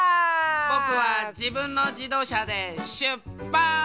ぼくはじぶんのじどうしゃでしゅっぱつ！